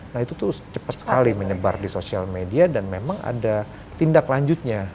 nah itu tuh cepat sekali menyebar di sosial media dan memang ada tindak lanjutnya